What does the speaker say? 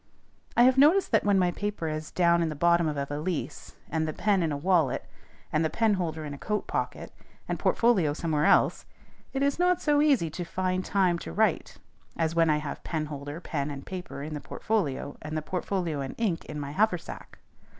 I have noticed that when my paper is down in the bottom of a valise, and the pen in a wallet, and the penholder in a coat pocket, and portfolio somewhere else, it is not so easy to "find time to write" as when I have penholder, pen, and paper in the portfolio, and the portfolio and ink in my haversack.